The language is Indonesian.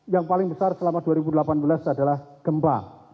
yang paling besar selama dua ribu delapan belas adalah gempa